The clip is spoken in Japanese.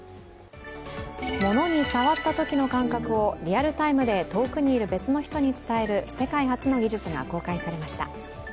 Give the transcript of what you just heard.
物に触ったときの感覚をリアルタイムで遠くにいる別の人に伝える世界初の技術が公開されました。